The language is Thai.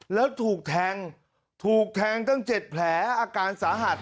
แล้วถูกแทงถูกแทงตั้ง๗แผลอาการสาหัส